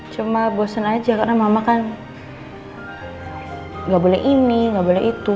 cuma bosen aja karena mama kan nggak boleh ini nggak boleh itu